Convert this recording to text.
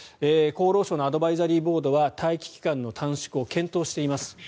厚労省のアドバイザリーボードは待機期間の短縮を検討しています。